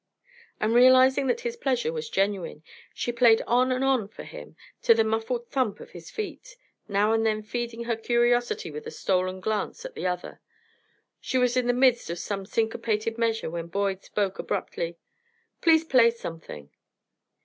And realizing that his pleasure was genuine, she played on and on for him, to the muffled thump of his feet, now and then feeding her curiosity with a stolen glance at the other. She was in the midst of some syncopated measure when Boyd spoke abruptly: "Please play something."